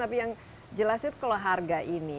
tapi yang jelas itu kalau harga ini